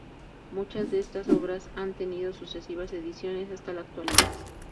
Muchas de estas obras han tenido sucesivas ediciones hasta la actualidad.